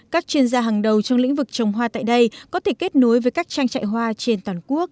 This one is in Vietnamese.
các chuyên gia hàng đầu trong lĩnh vực trồng hoa tại đây có thể kết nối với các trang trại hoa trên toàn quốc